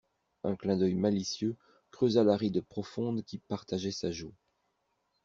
Un clin d'œil malicieux creusa la ride profonde qui partageait sa joue.